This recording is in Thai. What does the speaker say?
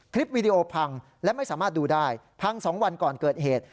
วีดีโอพังและไม่สามารถดูได้พัง๒วันก่อนเกิดเหตุ